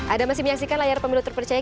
anda masih menyaksikan layar pemilu terpercaya